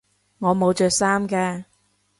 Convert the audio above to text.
我冇着衫㗎